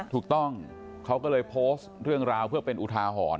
ถูกต้องเขาก็เลยโพสต์เรื่องราวเพื่อเป็นอุทาหรณ์